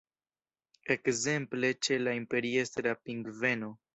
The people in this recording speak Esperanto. Ekzemple ĉe la Imperiestra pingveno.